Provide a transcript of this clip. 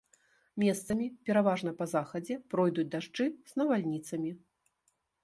Месцамі, пераважна па захадзе, пройдуць дажджы з навальніцамі.